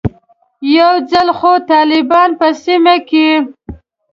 یو ځل خو طالبان په سیمه کې.